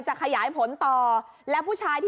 จะขยายผลต่อ